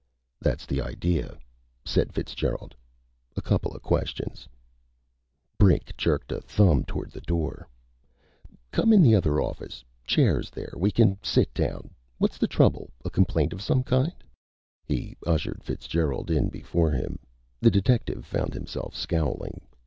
"That's the idea," said Fitzgerald. "A coupla questions." Brink jerked a thumb toward a door. "Come in the other office. Chairs there, and we can sit down. What's the trouble? A complaint of some kind?" He ushered Fitzgerald in before him. The detective found himself scowling.